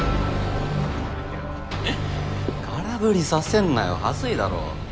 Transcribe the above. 空振りさせんなよハズいだろ。